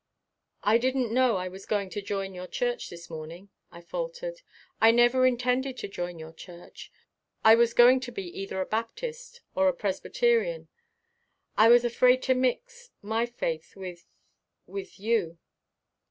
"I didn't know I was going to join your church this morning," I faltered. "I never intended to join your church. I was going to be either a Baptist or a Presbyterian. I was afraid to mix my faith with with you."